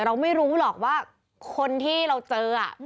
เราไม่รู้หรอกว่าคนที่เราเจอ